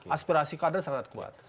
aspirasi kader sangat kuat